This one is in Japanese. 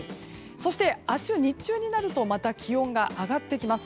そして明日、日中になるとまた気温が上がってきます。